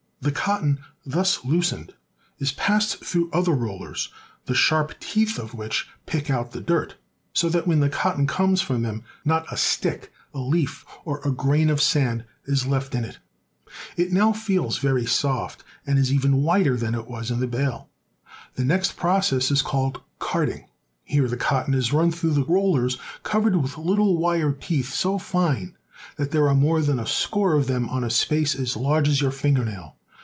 The cotton thus loosened is passed through other rollers the sharp teeth of which pick out the dirt, so that when the cotton comes from them not a stick, a leaf, or a grain of sand is left in it. It now feels very soft and is ^ven whiter than it was in the bale. Mule Spinner. The next process is called carding. Here the cotton is run through rollers covered with little wire teeth so fine that there are more than a score of them on a space as large as your finger nail.